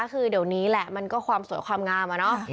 คือเดี๋ยวนี้แหละมันก็ความสวยความงามอะเนาะ